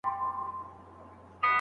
بریالي خلګ نورو ته په اسانۍ بخښنه کوي.